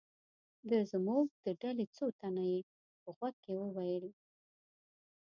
د زموږ د ډلې څو تنه یې په غوږ کې و ویل.